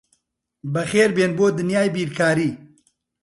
بەخێربێن بۆ دنیای بیرکاری.